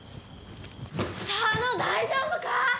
佐野大丈夫か？